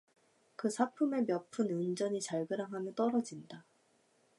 그 사품에 몇 푼 은전이 잘그랑 하며 떨어진다.